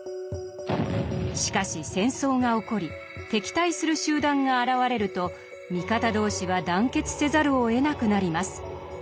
しかし戦争が起こり敵対する集団が現れると味方同士は団結せざるをえなくなります。